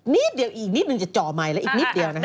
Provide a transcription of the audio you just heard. นิดเดียวอีกนิดนึงจะจ่อใหม่แล้วอีกนิดเดียวนะฮะ